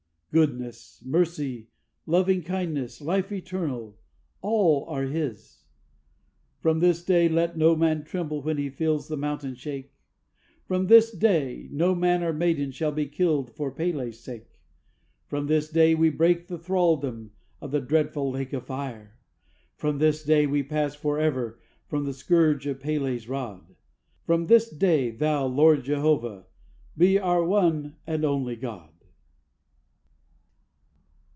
Goodness, Mercy, Loving Kindness, Life Eternal all are His! "From this day, let no man tremble, when he feels the mountain shake! From this day, no man or maiden shall be killed for P├®l├®'s sake! From this day, we break the thraldom of the dreadful lake of fire. From this day, we pass for ever from the scourge of P├®l├®'s rod. From this day, Thou, Lord Jehovah, be our one and only God!"